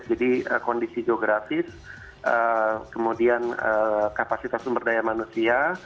jadi kondisi geografis kemudian kapasitas sumber daya manusia